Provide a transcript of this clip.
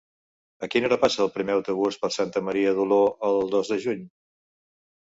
A quina hora passa el primer autobús per Santa Maria d'Oló el dos de juny?